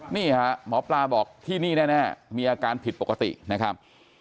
นี่ฮะหมอปลาบอกที่นี่แน่มีอาการผิดปกตินะครับ